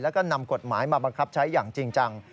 แล้วก็นำกฎหมายมาบังคับใช้อย่างจริงจัง